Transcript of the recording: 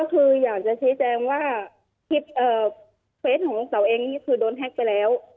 ก็คืออยากจะพิจารณ์ว่าคลิปเฟสของลูกเต๋าเองคือโดนแฮกไปแล้ว